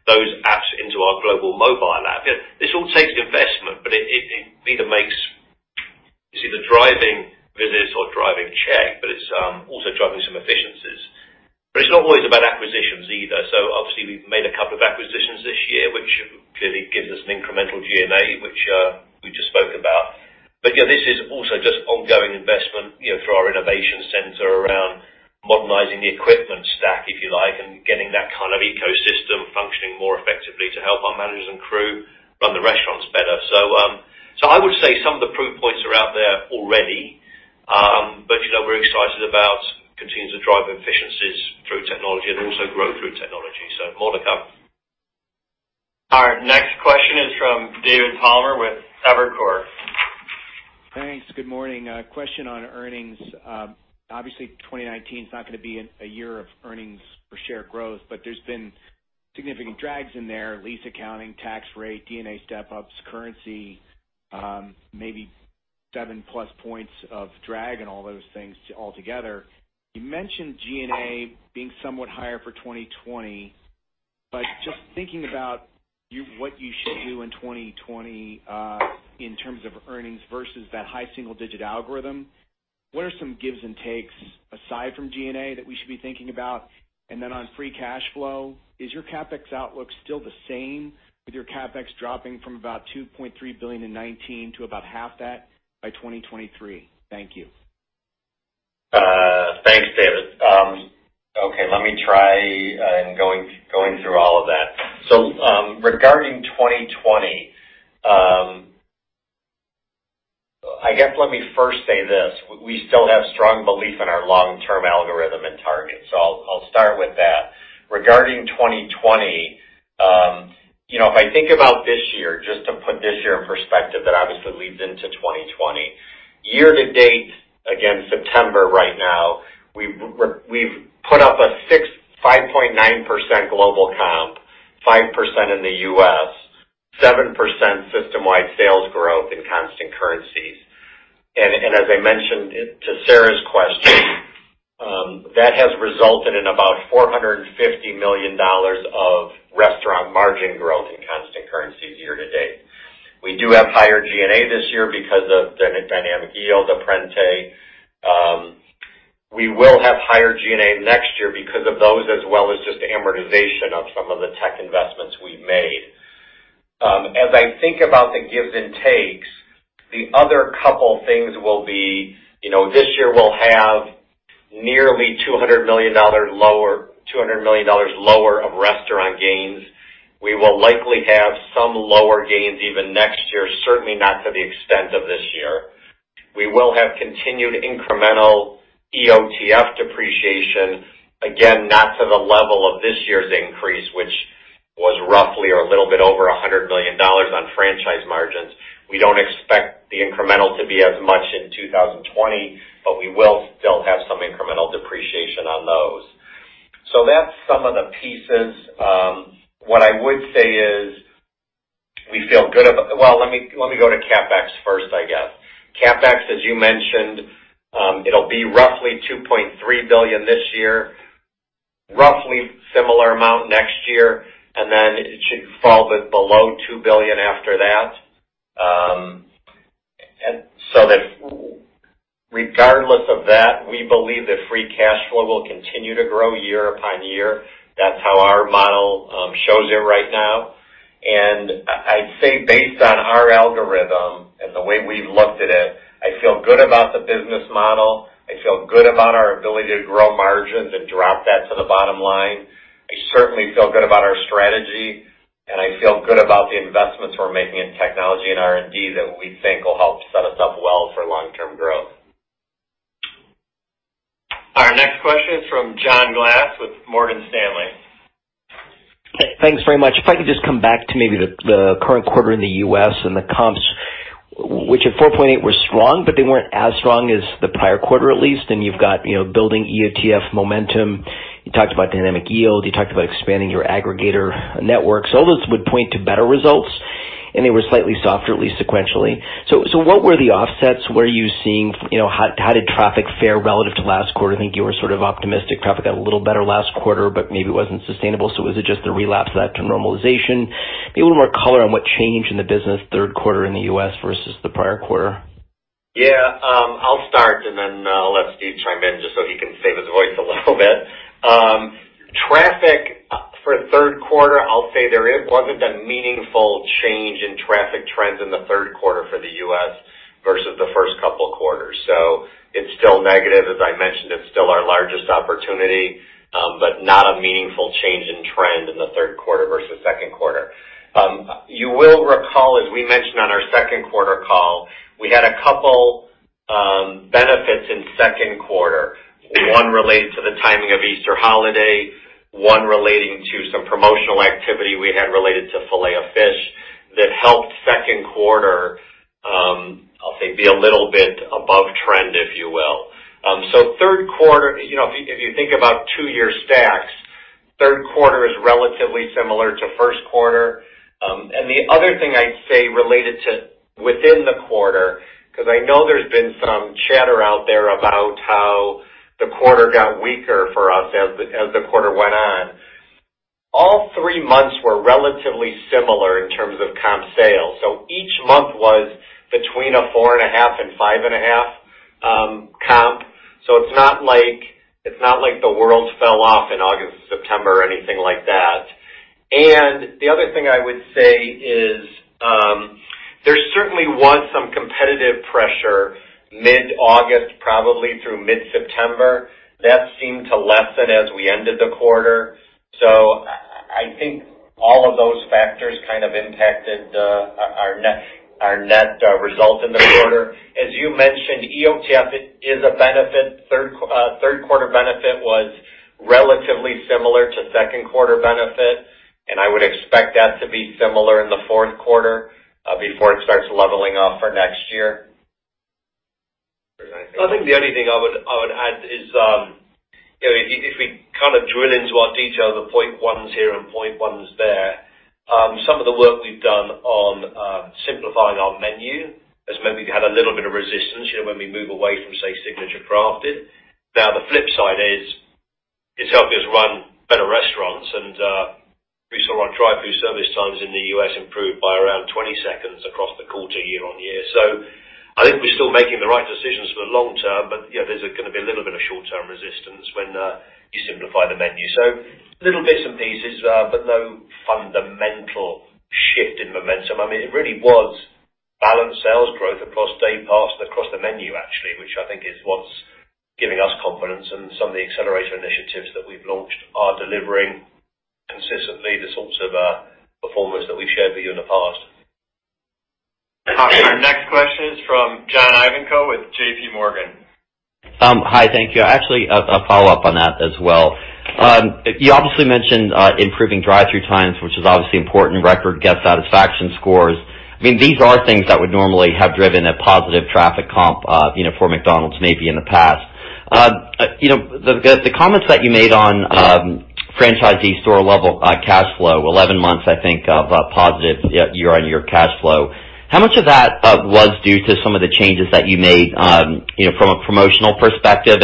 S3: those apps into our global mobile app. This all takes investment, but it's either driving visits or driving check, but it's also driving some efficiencies. It's not always about acquisitions, either. Obviously we've made a couple of acquisitions this year, which clearly gives us an incremental G&A, which we just spoke about. This is also just ongoing investment for our innovation center around modernizing the equipment stack, if you like, and getting that kind of ecosystem functioning more effectively to help our managers and crew run the restaurants better. I would say some of the proof points are out there already. We're excited about continuing to drive efficiencies through technology and also grow through technology. More to come.
S2: Our next question is from David Palmer with Evercore.
S9: Thanks. Good morning. A question on earnings. Obviously, 2019 is not going to be a year of earnings per share growth, but there's been significant drags in there, lease accounting, tax rate, G&A step-ups, currency, maybe seven-plus points of drag and all those things altogether. Just thinking about what you should do in 2020, in terms of earnings versus that high single-digit algorithm, what are some gives and takes aside from G&A that we should be thinking about? On free cash flow, is your CapEx outlook still the same with your CapEx dropping from about $2.3 billion in 2019 to about half that by 2023? Thank you.
S4: Thanks, David. Let me try in going through all of that. Regarding 2020, I guess let me first say this, we still have strong belief in our long-term algorithm and targets. I'll start with that. Regarding 2020, if I think about this year, just to put this year in perspective, that obviously leads into 2020. Year to date, again, September right now, we've put up a 5.9% global comp, 5% in the U.S., 7% system-wide sales growth in constant currencies. As I mentioned to Sara's question, that has resulted in about $450 million of restaurant margin growth in constant currencies year to date. We do have higher G&A this year because of Dynamic Yield, Apprente. We will have higher G&A next year because of those as well as just amortization of some of the tech investments we've made. As I think about the gives and takes, the other couple things will be, this year we'll have $200 million lower of restaurant gains. We will likely have some lower gains even next year, certainly not to the extent of this year. We will have continued incremental EOTF depreciation, again, not to the level of this year's increase, which was roughly or $100 million on franchise margins. We don't expect the incremental to be as much in 2020, but we will still have some incremental depreciation on those. That's some of the pieces. What I would say is we feel good about. Well, let me go to CapEx first, I guess. CapEx, as you mentioned, it'll be roughly $2.3 billion this year, roughly similar amount next year, and then it should fall below $2 billion after that. Regardless of that, we believe that free cash flow will continue to grow year upon year. That's how our model shows it right now. I'd say based on our algorithm and the way we've looked at it, I feel good about the business model. I feel good about our ability to grow margins and drop that to the bottom line. I certainly feel good about our strategy, I feel good about the investments we're making in technology and R&D that we think will help set us up well for long-term growth.
S2: Our next question is from John Glass with Morgan Stanley.
S10: Thanks very much. If I could just come back to maybe the current quarter in the U.S. and the comps, which at 4.8 were strong, but they weren't as strong as the prior quarter at least, and you've got building EOTF momentum. You talked about Dynamic Yield, you talked about expanding your aggregator network. All this would point to better results, and they were slightly softer, at least sequentially. What were the offsets? How did traffic fare relative to last quarter? I think you were sort of optimistic. Traffic got a little better last quarter, but maybe it wasn't sustainable. Is it just a relapse of that to normalization? Maybe a little more color on what changed in the business third quarter in the U.S. versus the prior quarter.
S4: I'll start and then I'll let Steve chime in just so he can save his voice a little bit. Traffic. For third quarter, I'll say there wasn't a meaningful change in traffic trends in the third quarter for the U.S. versus the first couple quarters. It's still negative. As I mentioned, it's still our largest opportunity, not a meaningful change in trend in the third quarter versus second quarter. You will recall, as we mentioned on our second quarter call, we had a couple benefits in second quarter. One relates to the timing of Easter holiday, one relating to some promotional activity we had related to Filet-O-Fish that helped second quarter, I'll say, be a little bit above trend, if you will. Third quarter, if you think about two-year stacks, third quarter is relatively similar to first quarter. The other thing I'd say related to within the quarter, because I know there's been some chatter out there about how the quarter got weaker for us as the quarter went on. All 3 months were relatively similar in terms of comp sales. Each month was between a 4.5% and 5.5% comp. It's not like the world fell off in August, September, or anything like that. The other thing I would say is, there certainly was some competitive pressure mid-August, probably through mid-September. That seemed to lessen as we ended the quarter. I think all of those factors kind of impacted our net result in the quarter. As you mentioned, EOTF is a benefit. Third quarter benefit was relatively similar to second quarter benefit, and I would expect that to be similar in the fourth quarter before it starts leveling off for next year.
S3: I think the only thing I would add is, if we kind of drill into our detail, the point ones here and point ones there, some of the work we've done on simplifying our menu has meant we've had a little bit of resistance, when we move away from, say, Signature Crafted. The flip side is, it's helped us run better restaurants. We saw our drive-through service times in the U.S. improve by around 20 seconds across the quarter, year-over-year. I think we're still making the right decisions for the long term, but there's going to be a little bit of short-term resistance when you simplify the menu. Little bits and pieces, but no fundamental shift in momentum. It really was balanced sales growth across day parts and across the menu, actually, which I think is what's giving us confidence. Some of the accelerator initiatives that we've launched are delivering consistently the sorts of performance that we've shared with you in the past.
S2: Our next question is from John Ivankoe with JPMorgan.
S11: Hi. Thank you. Actually, a follow-up on that as well. You obviously mentioned improving drive-through times, which is obviously important. Record guest satisfaction scores. These are things that would normally have driven a positive traffic comp for McDonald's maybe in the past. The comments that you made on franchisee store level cash flow, 11 months, I think, of positive year-on-year cash flow. How much of that was due to some of the changes that you made from a promotional perspective?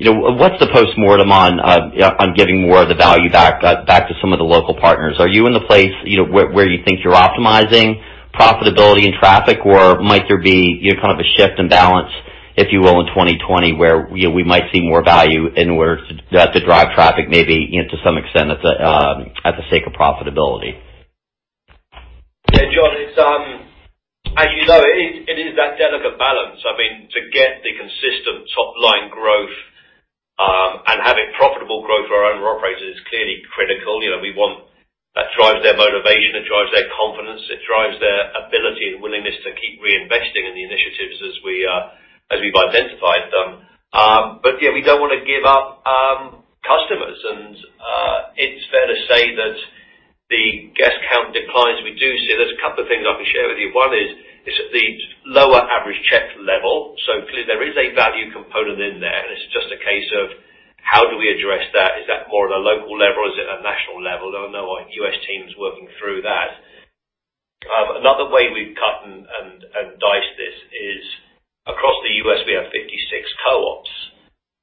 S11: What's the postmortem on giving more of the value back to some of the local partners? Are you in the place where you think you're optimizing profitability and traffic, or might there be kind of a shift in balance, if you will, in 2020 where we might see more value in order to drive traffic maybe to some extent at the sake of profitability?
S3: Yeah, John, as you know, it is that delicate balance. To get the consistent top-line growth and having profitable growth for our own operators is clearly critical. That drives their motivation, it drives their confidence, it drives their ability and willingness to keep reinvesting in the initiatives as we've identified them. Yeah, we don't want to give up customers, and it's fair to say that the guest count declines we do see. There's a couple of things I can share with you. One is the lower average check level. Clearly, there is a value component in there, and it's just a case of how do we address that? Is that more at a local level or is it a national level? I know our U.S. team's working through that. Another way we've cut and diced this is across the U.S., we have 56 co-ops,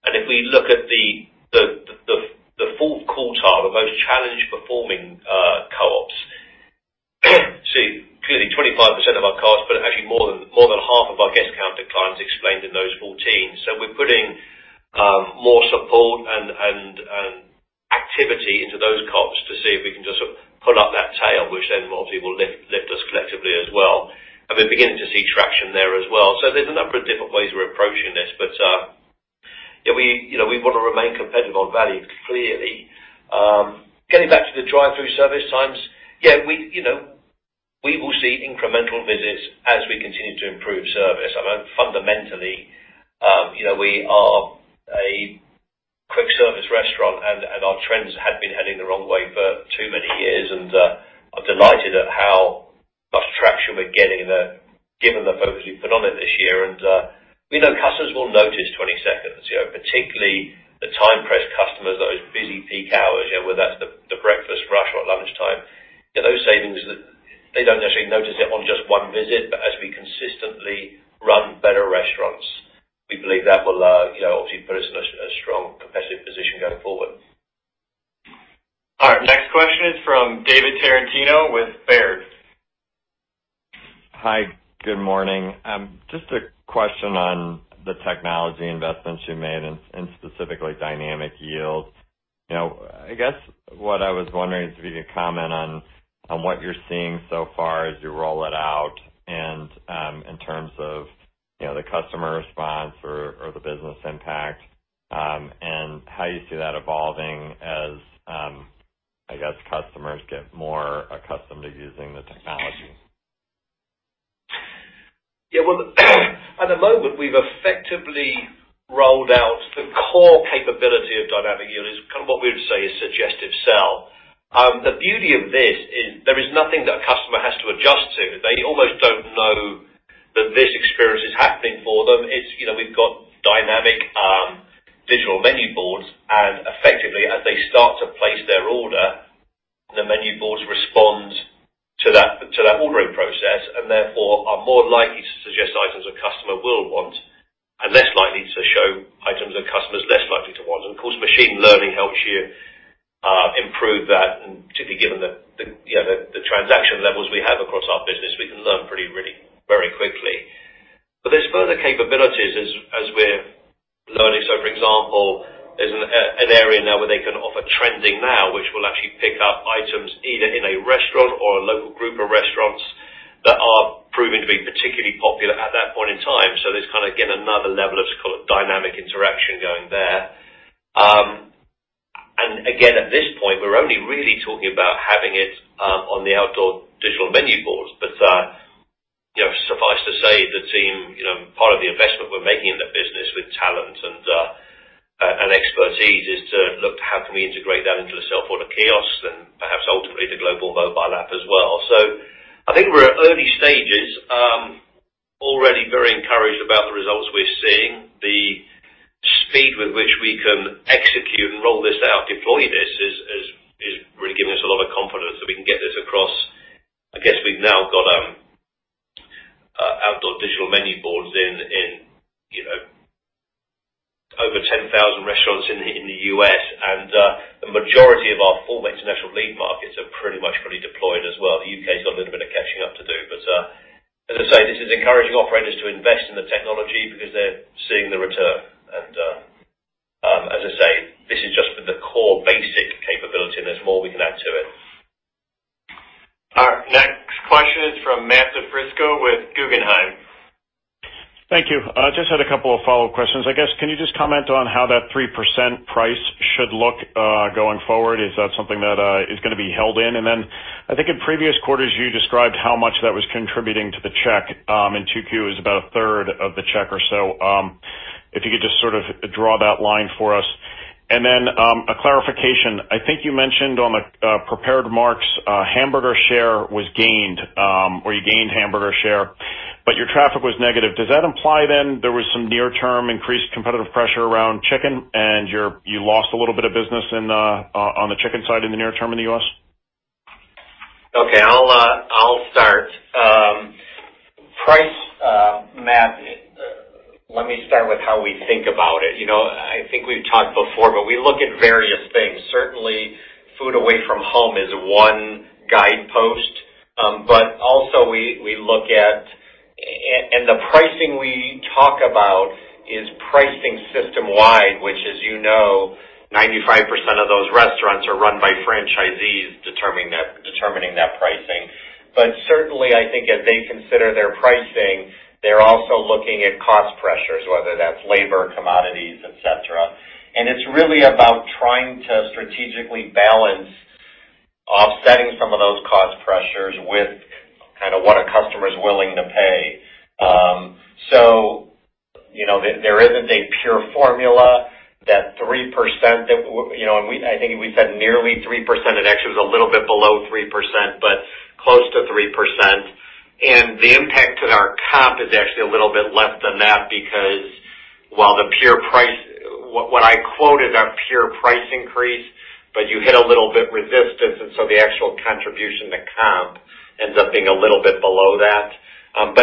S3: and if we look at the fourth quartile of those challenged performing co-ops, see clearly 25% of our costs, but actually more than half of our guest count declines explained in those 14. We're putting more support and activity into those co-ops to see if we can just pull up that tail, which then ultimately will lift us collectively as well. We're beginning to see traction there as well. There's a number of different ways we're approaching this. We want to remain competitive on value, clearly. Getting back to the drive-through service times, we will see incremental visits as we continue to improve service. Fundamentally, we are a quick-service restaurant, and our trends had been heading the wrong way for too many years. I'm delighted at how much traction we're getting given the focus we put on it this year. We know customers will notice 20 seconds, particularly the time-pressed customers, those busy peak hours, whether that's the breakfast rush or at lunchtime. Those savings, they don't necessarily notice it on just one visit. As we consistently run better restaurants, we believe that will obviously put us in a strong competitive position going forward.
S2: All right. Next question is from David Tarantino with Baird.
S12: Good morning. Just a question on the technology investments you made and specifically Dynamic Yield. I guess what I was wondering is if you could comment on what you're seeing so far as you roll it out and in terms of the customer response or the business impact, and how you see that evolving as customers get more accustomed to using the technology.
S3: Yeah. Well, at the moment, we've effectively rolled out the core capability of Dynamic Yield is what we would say is suggestive sell. The beauty of this is there is nothing that a customer has to adjust to. They almost don't know that this experience is happening for them. We've got dynamic digital menu boards and effectively, as they start to place their order, the menu boards respond to that ordering process, and therefore, are more likely to suggest items a customer will want and less likely to show items that customers are less likely to want. Of course, machine learning helps you improve that, and particularly given the transaction levels we have across our business, we can learn very quickly. There's further capabilities as we're learning. For example, there's an area now where they can offer trending now, which will actually pick up items either in a restaurant or a local group of restaurants that are proving to be particularly popular at that point in time. There's, again, another level of dynamic interaction going there. Again, at this point, we're only really talking about having it on the outdoor digital menu boards. Suffice to say, part of the investment we're making in the business with talent and expertise is to look at how can we integrate that into the self-order kiosks and perhaps ultimately the global mobile app as well. I think we're at early stages. Already very encouraged about the results we're seeing. The speed with which we can execute and roll this out, deploy this, is really giving us a lot of confidence that we can get this across. I guess we've now got outdoor digital menu boards in over 10,000 restaurants in the U.S., and the majority of our four international lead markets are pretty much fully deployed as well. The U.K.'s got a little bit of catching up to do, but as I say, this is encouraging operators to invest in the technology because they're seeing the return. As I say, this is just the core basic capability, and there's more we can add to it.
S2: All right, next question is from Matthew DiFrisco with Guggenheim.
S13: Thank you. Just had a couple of follow-up questions. I guess, can you just comment on how that 3% price should look going forward? Is that something that is going to be held in? I think in previous quarters, you described how much that was contributing to the check, in 2Q it was about a third of the check or so. If you could just sort of draw that line for us. A clarification. I think you mentioned on the prepared remarks, hamburger share was gained, or you gained hamburger share, but your traffic was negative. Does that imply then there was some near-term increased competitive pressure around chicken and you lost a little bit of business on the chicken side in the near term in the U.S.?
S4: Okay, I'll start. Price, Matt, let me start with how we think about it. I think we've talked before, we look at various things. Certainly, food away from home is one guidepost. The pricing we talk about is pricing system-wide, which, as you know, 95% of those restaurants are run by franchisees determining that pricing. Certainly, I think as they consider their pricing, they're also looking at cost pressures, whether that's labor, commodities, etc. It's really about trying to strategically balance offsetting some of those cost pressures with what a customer's willing to pay. There isn't a pure formula. I think we said nearly 3%. It actually was a little bit below 3%, but close to 3%. The impact to our comp is actually a little bit less than that because what I quoted our pure price increase, but you hit a little bit resistance, and so the actual contribution to comp ends up being a little bit below that.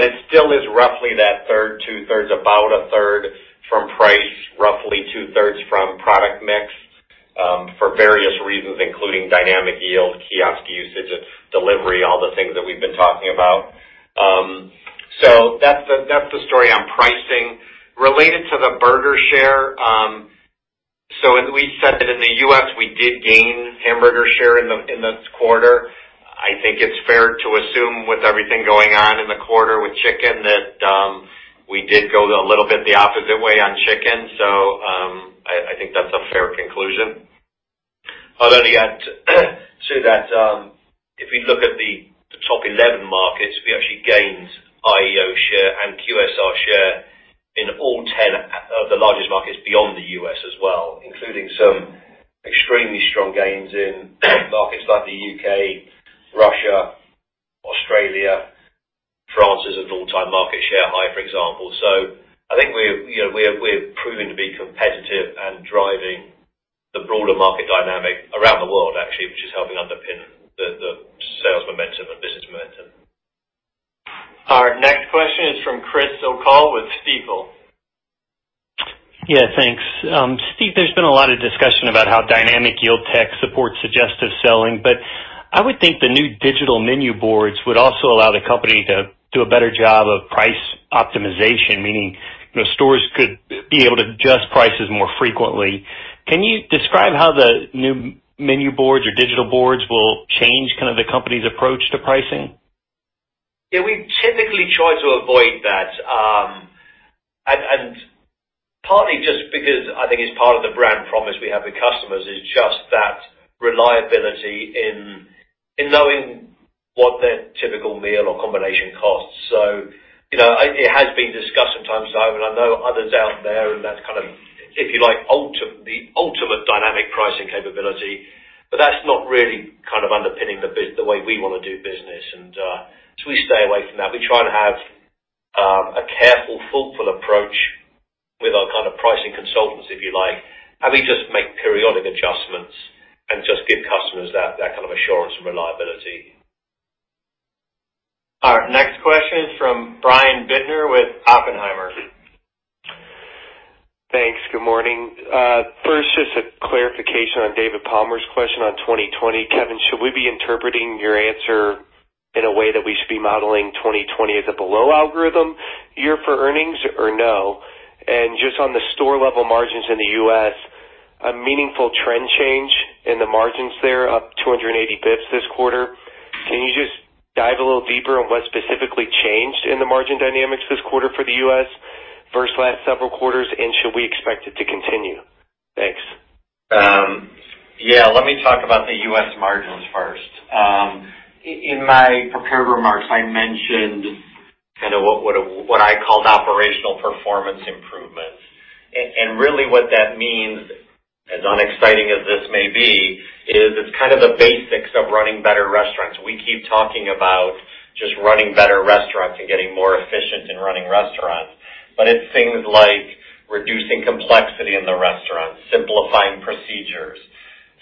S4: It still is roughly that two-thirds, about a third from price, roughly two-thirds from product mix, for various reasons, including Dynamic Yield, kiosk usage, delivery, all the things that we've been talking about. That's the story on pricing. Related to the burger share, as we said that in the U.S., we did gain hamburger share in this quarter. I think it's fair to assume with everything going on in the quarter with chicken that we did go a little bit the opposite way on chicken. I think that's a fair conclusion.
S3: I'd only add to that, if we look at the top 11 markets, we actually gained IEO share and QSR share in all 10 of the largest markets beyond the U.S. as well, including some extremely strong gains in markets like the U.K., Russia, Australia. France is an all-time market share high, for example. I think we're proving to be competitive and driving the broader market dynamic around the world actually, which is helping underpin the sales momentum and business momentum.
S2: Our next question is from Chris O'Cull with Stifel.
S14: Yeah, thanks. Steve, there's been a lot of discussion about how Dynamic Yield tech supports suggestive selling, but I would think the new digital menu boards would also allow the company to do a better job of price optimization, meaning stores could be able to adjust prices more frequently. Can you describe how the new menu boards or digital boards will change the company's approach to pricing?
S3: Yeah, we typically try to avoid that. Partly just because I think it's part of the brand promise we have with customers is just that reliability in knowing what their typical meal or combination costs. It has been discussed from time to time, and I know others out there, and that's kind of, if you like, the ultimate dynamic pricing capability. That's not really underpinning the way we want to do business. We stay away from that. We try and have a careful, thoughtful approach with our pricing consultants, if you like, and we just make periodic adjustments and just give customers that kind of assurance and reliability.
S2: All right. Next question from Brian Bittner with Oppenheimer.
S15: Thanks. Good morning. First, just a clarification on David Palmer's question on 2020. Kevin, should we be interpreting your answer in a way that we should be modeling 2020 as a below algorithm year for earnings or no? Just on the store-level margins in the U.S., a meaningful trend change in the margins there, up 280 basis points this quarter. Can you just dive a little deeper on what specifically changed in the margin dynamics this quarter for the U.S. versus last several quarters, and should we expect it to continue? Thanks.
S4: Yeah, let me talk about the U.S. margins first. In my prepared remarks, I mentioned what I called operational performance improvements. Really what that means, as unexciting as this may be, is it's kind of the basics of running better restaurants. We keep talking about just running better restaurants and getting more efficient in running restaurants. It's things like reducing complexity in the restaurants, simplifying procedures,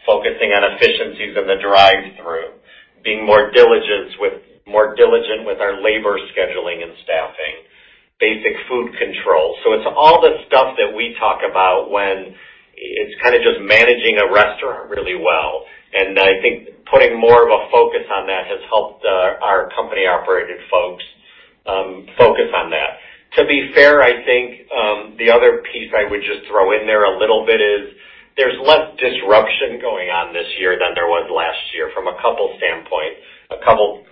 S4: focusing on efficiencies in the drive-thru, being more diligent with our labor scheduling and staffing, basic food control. It's all the stuff that we talk about when it's kind of just managing a restaurant really well. I think putting more of a focus on that has helped our company-operated folks focus on that. To be fair, I think, the other piece I would just throw in there a little bit is there's less disruption going on this year than there was last year from a couple standpoints, a couple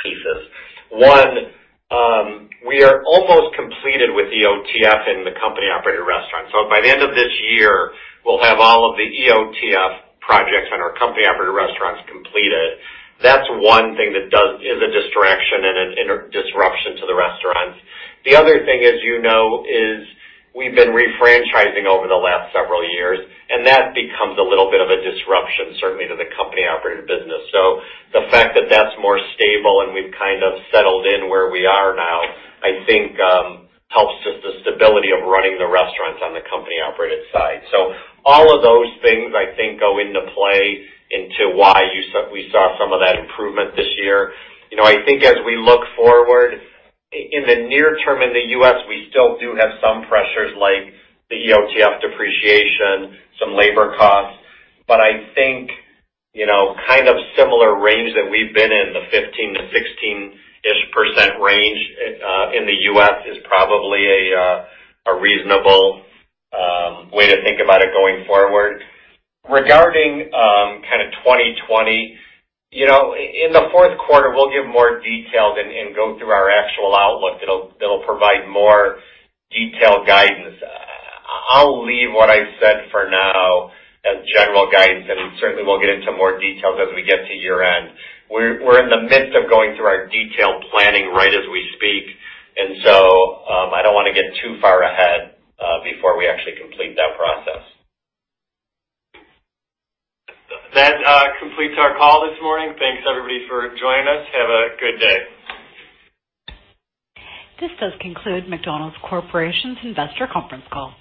S4: pieces. One, we are almost completed with EOTF in the company-operated restaurant. By the end of this year, we'll have all of the EOTF projects on our company-operated restaurants completed. That's one thing that is a distraction and a disruption to the restaurants. The other thing, as you know, is we've been refranchising over the last several years, and that becomes a little bit of a disruption, certainly to the company-operated business. The fact that that's more stable and we've kind of settled in where we are now, I think, helps just the stability of running the restaurants on the company-operated side. All of those things, I think, go into play into why we saw some of that improvement this year. I think as we look forward, in the near term in the U.S., we still do have some pressures like the EOTF depreciation, some labor costs, but I think kind of similar range that we've been in, the 15%-16% range in the U.S. is probably a reasonable way to think about it going forward. Regarding 2020, in the fourth quarter, we'll give more details and go through our actual outlook that'll provide more detailed guidance. I'll leave what I said for now as general guidance, and certainly we'll get into more details as we get to year-end. We're in the midst of going through our detailed planning right as we speak. I don't want to get too far ahead before we actually complete that process. That completes our call this morning. Thanks, everybody, for joining us. Have a good day.
S1: This does conclude McDonald's Corporation's Investor Conference Call.